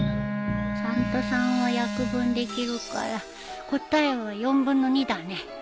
３と３は約分できるから答えは４分の２だね